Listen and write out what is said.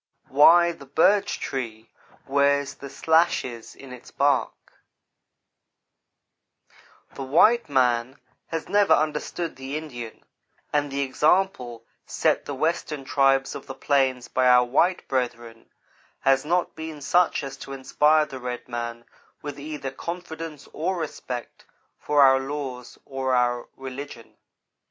WHY THE BIRCH TREE WEARS THE SLASHES IN ITS BARK THE white man has never understood the Indian, and the example set the Western tribes of the plains by our white brethren has not been such as to inspire the red man with either confidence or respect for our laws or our religion.